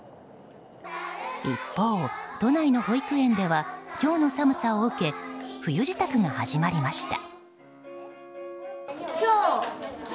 一方、都内の保育園は今日の寒さを受け冬支度が始まりました。